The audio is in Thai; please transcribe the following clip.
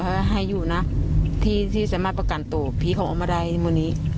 ให้อยู่นะที่ที่สามารถประกันตัวภีร์ของอัมรัยนี้ม